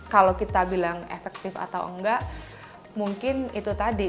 kalau kita bilang efektif atau enggak mungkin itu tadi